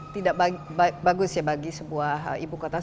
tidak bagus ya bagi sebuah ibu kota